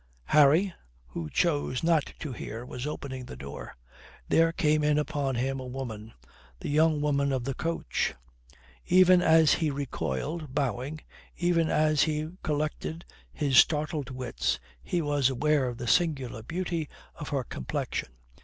Harry, who chose not to hear, was opening the door. There came in upon him a woman the young woman of the coach. Even as he recoiled, bowing, even as he collected his startled wits, he was aware of the singular beauty of her complexion.